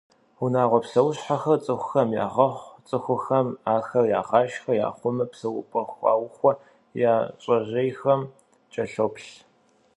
Унагъуэ псэущхьэхэр цӏыхухэм ягъэхъу, цӏыхухэм ахэр ягъашхэ, яхъумэ, псэупӏэ хуаухуэ, я щӏэжьейхэм кӏэлъоплъ.